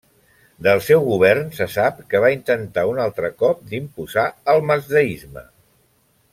Del seu govern se sap que va intentar un altre cop d'imposar el mazdaisme.